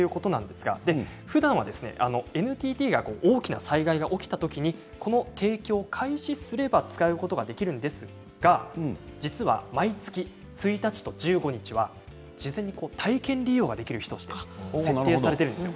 ふだんはＮＴＴが大きな災害が起きたときにこの提供を開始すれば使うことができるんですが実は毎月１日と１５日は事前に体験利用ができる日として設定されているんです。